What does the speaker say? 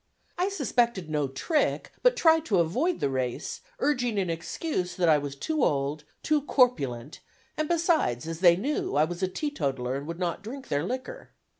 I suspected no trick, but tried to avoid the race, urging in excuse that I was too old, too corpulent, and besides, as they knew, I was a teetotaler and would not drink their liquor.